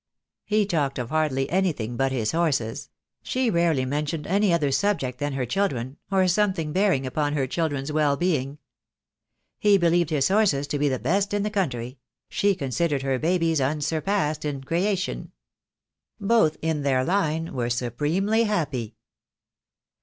He talked of hardly any thing but his horses; she rarely mentioned any other sub ject than her children, or something bearing upon her children's well being. He believed his horses to be the best in the county; she considered her babies unsurpassed in creation. Both in their line were supremely happy.